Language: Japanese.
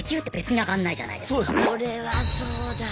それはそうだね。